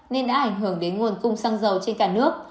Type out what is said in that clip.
nên đã ảnh hưởng đến nguồn cung xăng dầu trên cả nước